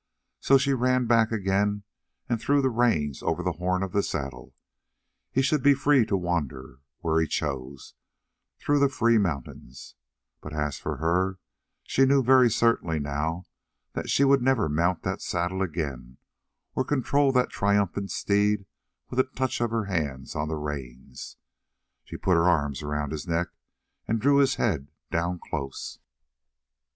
So she ran back again and threw the reins over the horn of the saddle; he should be free to wander where he chose through the free mountains, but as for her, she knew very certainly now that she would never mount that saddle again, or control that triumphant steed with the touch of her hands on the reins. She put her arms around his neck and drew his head down close.